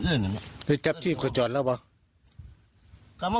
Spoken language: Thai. อุยจับที่ขวาจอดแล้วเปล่าแกมังวัดที่หรอห้องหูวะอุ้ยเราไปแล้วอุ้ย